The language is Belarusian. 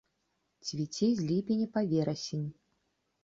Цвіце з ліпеня па верасень.